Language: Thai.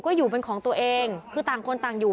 ก็อยู่เป็นของตัวเองคือต่างคนต่างอยู่